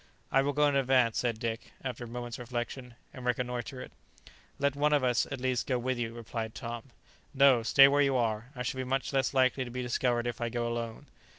"I will go in advance," said Dick, after a moment's reflection, "and reconnoitre it." "Let one of us, at least, go with you," replied Tom. "No, stay where you are; I shall be much less likely to be discovered if I go alone."